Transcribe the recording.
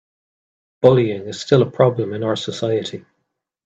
Bullying is still a problem in our society.